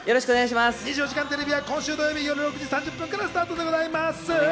『２４時間テレビ』は今週土曜日夜６時３０分からスタートでございます。